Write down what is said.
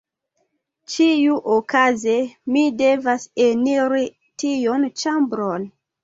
Ĉiuokaze mi devas eniri tiun ĉambron.